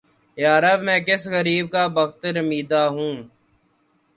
یارب! میں کس غریب کا بختِ رمیدہ ہوں!